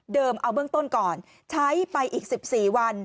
เอาเบื้องต้นก่อนใช้ไปอีก๑๔วัน